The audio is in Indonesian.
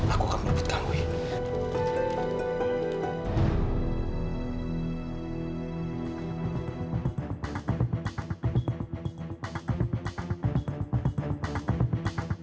aku gak akan pernah menyerah